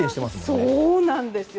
そうなんですよ。